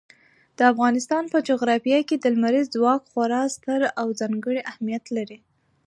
د افغانستان په جغرافیه کې لمریز ځواک خورا ستر او ځانګړی اهمیت لري.